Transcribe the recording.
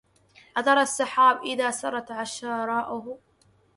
أترى السحاب إذا سرت عشراؤه